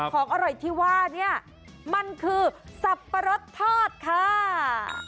ของอร่อยที่ว่าเนี่ยมันคือสับปะรดทอดค่ะ